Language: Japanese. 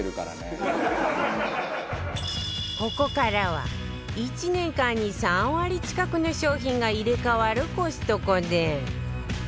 ここからは１年間に３割近くの商品が入れ替わるコストコで